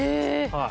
はい。